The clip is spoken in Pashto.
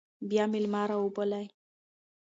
بیا میلمه راوبلئ.